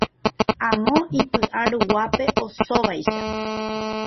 Amo ipyʼa ruguápe osóvaicha.